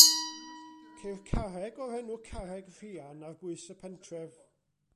Ceir carreg o'r enw Carreg Rhian ar bwys y pentref.